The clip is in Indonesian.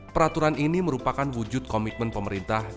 peraturan ini merupakan wujud komitmen pemerintah